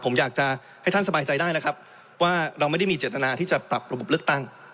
ผมอยากจะให้ท่านสบายใจได้นะครับว่าเราไม่ได้มีเจตนาที่จะปรับระบบเลือกตั้ง